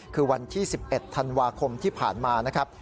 คือวันที่๑๑ธันวาคมที่ผ่านมานะครับ